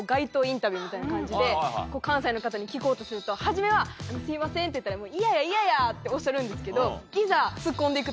みたいな感じで関西の方に聞こうとすると初めは「すいません」って言ったら。っておっしゃるんですけど。